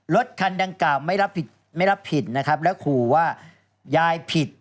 รถคันดังกล่าวไม่รับผิดนะครับและขอว่ายายผิด